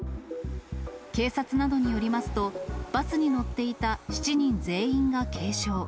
警察などによりますと、バスに乗っていた７人全員が軽傷。